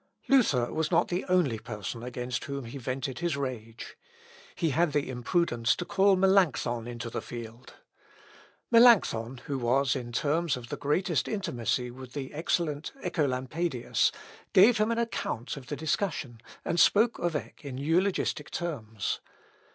] Luther was not the only person against whom he vented his rage. He had the imprudence to call Melancthon into the field. Melancthon, who was in terms of the greatest intimacy with the excellent Œcolampadius, gave him an account of the discussion, and spoke of Eck in eulogistic terms.